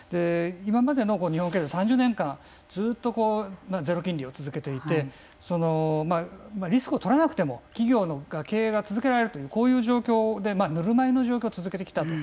今までの日本経済３０年間ずっとゼロ金利を続けていてリスクをとらなくても企業の経営が続けられるというこういう状況でぬるま湯の状況を続けてきたと。